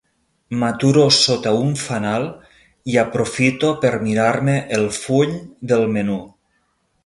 M'aturo sota un fanal i aprofito per mirar-me el full del menú.